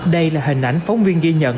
đây là hình ảnh phóng viên ghi nhận